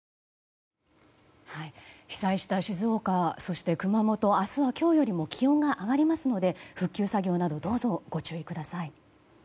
被災した静岡、そして熊本明日は今日よりも気温が上がりますので復旧作業などどうぞ、ご注意ください。